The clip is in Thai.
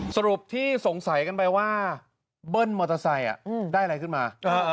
สรุปที่สงสัยกันไปว่าเบิ้ลมอเตอร์ไซค์ได้อะไรขึ้นมา